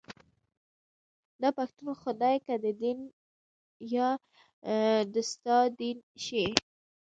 داپښتون خدای که ددين يا دسادين شي